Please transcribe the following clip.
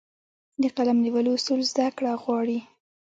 د قلم نیولو اصول زده کړه غواړي.